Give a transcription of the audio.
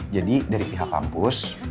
jadi dari pihak kampus